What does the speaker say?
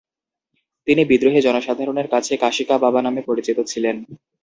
তিনি বিদ্রোহী জনসাধারণের কাছে কাশীকা বাবা নামে পরিচিত ছিলেন।